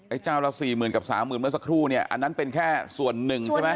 ไอ้เจ้าเรา๔๐๐๐๐กับ๓๐๐๐๐เมื่อสักครู่เนี่ยอันนั้นเป็นแค่ส่วนหนึ่งใช่ไหม